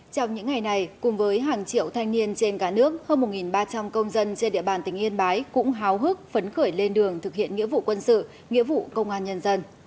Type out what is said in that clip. trong những ngày này cùng với hàng triệu thanh niên trên cả nước hơn một ba trăm linh công dân trên địa bàn tỉnh yên bái cũng háo hức phấn khởi lên đường thực hiện nghĩa vụ quân sự nghĩa vụ công an nhân dân